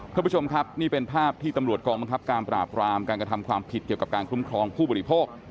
คุณผู้ชมครับนี่เป็นภาพที่ตำรวจกองบังคับการปราบรามการกระทำความผิดเกี่ยวกับการคุ้มครองผู้บริโภค